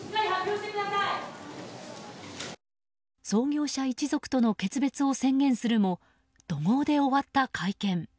創業者一族との決別を宣言するも怒号で終わった会見。